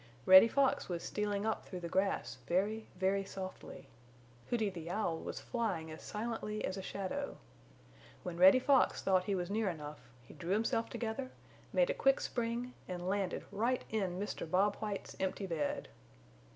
Reddy Fox was stealing up through the grass very, very softly. Hooty the Owl was flying as silently as a shadow. When Reddy Fox thought he was near enough he drew himself together, made a quick spring and landed right in Mr. Bob White's empty bed.